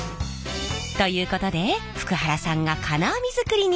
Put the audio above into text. ということで福原さんが金網作りに挑戦！